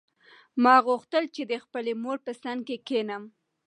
ما غوښتل چې د خپلې مور په څنګ کې کښېنم.